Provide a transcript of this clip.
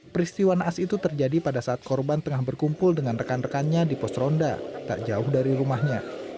peristiwa naas itu terjadi pada saat korban tengah berkumpul dengan rekan rekannya di pos ronda tak jauh dari rumahnya